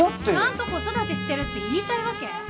ちゃんと子育てしてるって言いたいわけ？